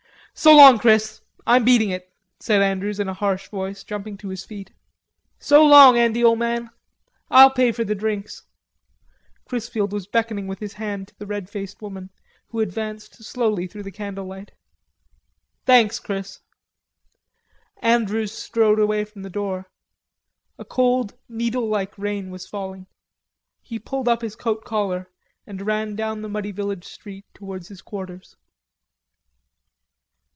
"So long, Chris. I'm beating it," said Andrews in a harsh voice, jumping to his feet. "So long, Andy, ole man.... Ah'll pay for the drinks." Chrisfield was beckoning with his hand to the red faced woman, who advanced slowly through the candlelight. "Thanks, Chris." Andrews strode away from the door. A cold, needle like rain was falling. He pulled up his coat collar and ran down the muddy village street towards his quarters.